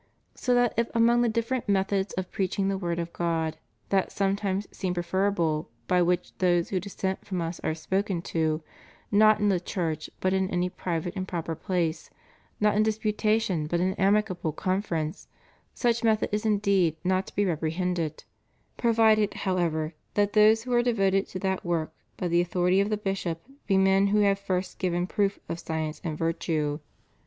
So that if among the dif ferent methods of preaching the word of God, that some times seems preferable by which those who dissent from us are spoken to, not in the church but in any private and proper place, not in disputation but in amicable confer ence, such method is indeed not to be reprehended; pro vided, however, that those who are devoted to that work by the authority of the bishop be men who have first given proof of science and virtue.